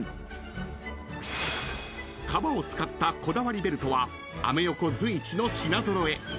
［革を使ったこだわりベルトはアメ横随一の品揃え］